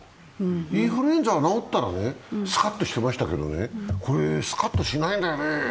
インフルエンザは治ったらスカッとしてましたけどね、これ、スカッとしないんだよね。